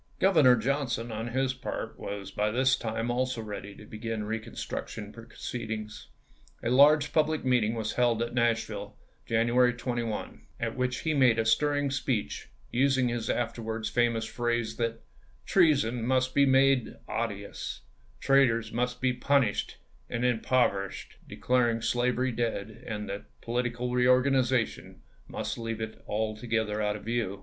Governor Johnson, on his part, was by this time also ready to begin reconstruction proceedings. A large public meeting was held at Nashville, Janu ary 21, at which he made a stirring speech, using i864. his afterwards famous phrase that " treason must be made odious, traitors must be punished and impover ished"; declaring slavery dead, and that political pampMet. reorganization must leave it altogether out of view.